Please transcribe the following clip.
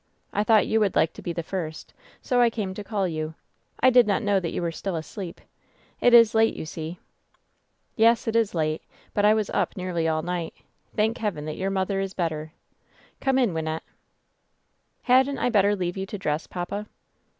I thought you would like to be the first, so I came to call WHEN SHADOWS DIE 849 you. I did not know that you were still asleep. It is late, you see." "Yes, it is late ; but I was up nearly all night. Thank Heaven that your mother is better. Come in, Wyn nette." "Hadn't I better leave you to dress, papa